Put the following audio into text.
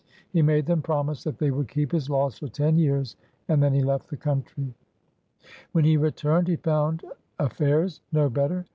He made them promise that they would keep his laws for ten years, and then he left the country. When he returned, he found affairs no better.